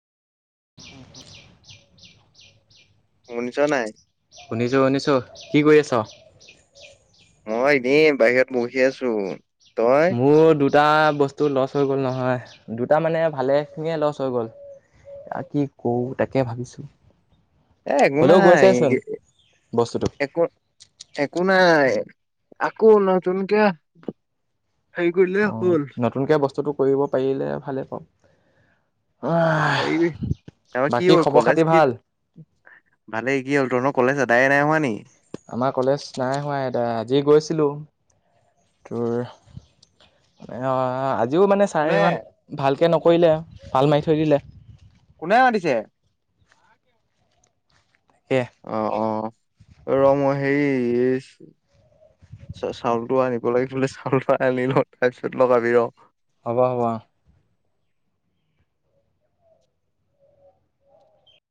[unintelligible] উনচ নাই শুনিছো শুনিছো কি কৰি আছ মই এনেই বাহিৰত বহি আছো তই মোৰ দু দুটা বস্তু লচ হৈ গ'ল নহয় দুটা মানে ভালে খিনিয়ে লচ হৈ গ'ল কি কো তাকে ভাবিছো এ একো নাই বস্তুটো। একো একো নাই আকৌ নতুন কিয় হেৰি কৰিলে অ' হ'ল নতুনকে বস্তুতটো কৰিব পাৰিলে ভালেই পওঁ হয় এ কি হ খবৰ কলেজ খাতি কি ভাল? ভালে কি হ'ল ত ন কলেজ আদায় নাই হোৱা নি আমাৰ কলেজ নাই হোৱা এতিয়া আজি গৈছিলো তোৰ যিও মানে ছাৰ নে ইমান ভালকৈ নকৰিলে ভাল মাৰি থৈ দিলে কোনে মাতিছে সেয়ে অ অ ৰ মই হে চাউলতটো আনিব লাগি ফ চাউলটো আনি ল তাৰপিছত লগাবি ৰ হব হব